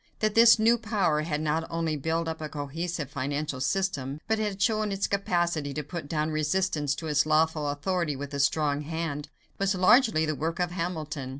That this new power had not only built up a cohesive financial system, but had shown its capacity to put down resistance to its lawful authority with a strong hand, was largely the work of Hamilton.